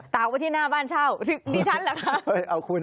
ไว้ที่หน้าบ้านเช่าดิฉันเหรอคะ